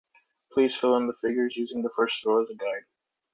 Please fill in the figures, using the first row as a guide.